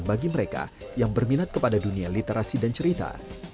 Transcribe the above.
bagi mereka yang berminat kepada dunia literasi dan cerita